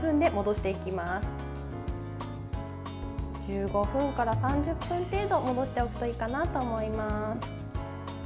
１５分から３０分程度戻しておくといいかなと思います。